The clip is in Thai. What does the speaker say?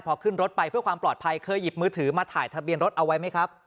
พอขึ้นรถไปเพื่อความปลอดภัยเคยหยิบมือถือมาถ่ายทะเบียนรถเอาไว้ไหมครับ